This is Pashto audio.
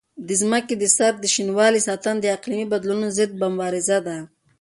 د ځمکې د سر د شینوالي ساتنه د اقلیمي بدلونونو ضد مبارزه ده.